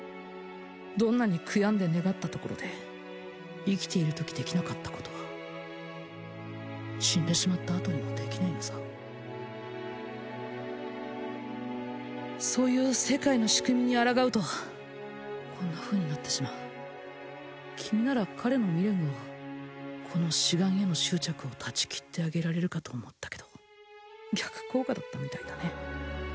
どんなに悔やんで願ったところで生きている時できなかったことは死んでしまったあとにもできないのさそういう世界の仕組みにあらがうとこんなふうになってしまう君なら彼の未練をこの此岸への執着を断ち切ってあげられるかと思ったけど逆効果だったみたいだね